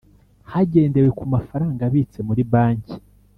hagendewe ku mafaranga abitse muri banki.